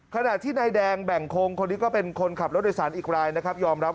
ขณะที่นายแดงแบ่งคงคนนี้ก็เป็นคนขับรถโดยสารอีกรายนะครับยอมรับ